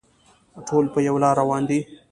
ټول په یوه لاره روان دي.